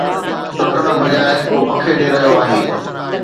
ٽٽڻ بجاءِ ڪو پکيڙي رهيو آهي